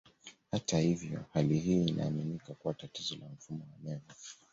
Hata hivyo, hali hii inaaminika kuwa tatizo la mfumo wa neva.